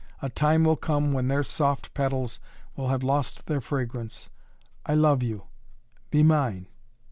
A time will come when their soft petals will have lost their fragrance! I love you be mine!"